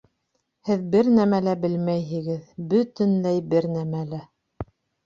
Һеҙ бер нәмә лә белмәйһегеҙ, бөтөнләй бер нәмә лә